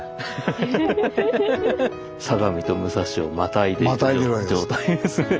相模と武蔵をまたいでいる状態ですね。